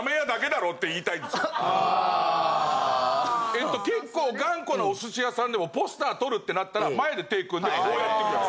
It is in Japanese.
えっと結構頑固なお寿司屋さんでもポスター撮るってなったら前で手組んでこうやってる。